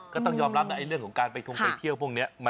ก็ต้องยอมรับนะเรื่องของการไปทงไปเที่ยวพวกนี้